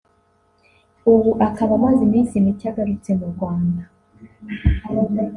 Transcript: ubu akaba amaze iminsi mike agarutse mu Rwanda